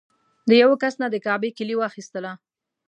د یوه کس نه د کعبې کیلي واخیستله.